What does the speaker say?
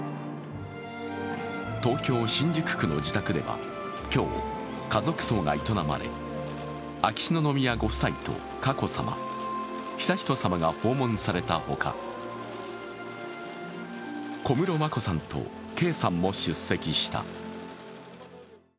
東京・新宿区の自宅では今日、家族葬が営まれ秋篠宮ご夫妻と佳子さま、悠仁さまが訪問されたほか、小室眞子さんと圭さんも出席した。